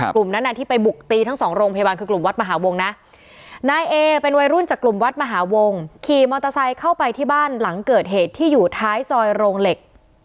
กลุ่มนั้นที่ไปบุกตีทั้งสองโรงพยาบาลคือกลุ่มวัดมหาวงนะนายเอเป็นวัยรุ่นจากกลุ่มวัดมหาวงขี่มอเตอร์ไซค์เข้าไปที่บ้านหลังเกิดเหตุที่อยู่ท้ายซอยโรงเหล็ก